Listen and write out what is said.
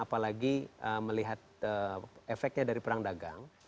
apalagi melihat efeknya dari perang dagang